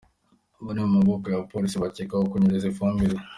Bane mu maboko ya Polisi bakekwaho kunyereza ifumbire